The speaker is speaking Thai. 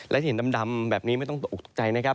และที่เห็นดำแบบนี้ไม่ต้องตกออกตกใจนะครับ